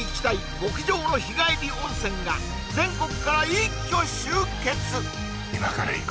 極上の日帰り温泉が全国から一挙集結！